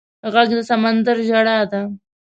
غږ د سمندر ژړا ده